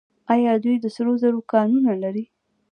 آیا دوی د سرو زرو کانونه نلري؟